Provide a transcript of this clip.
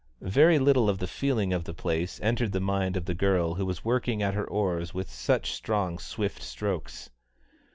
Very little of the feeling of the place entered the mind of the girl who was working at her oars with such strong, swift strokes.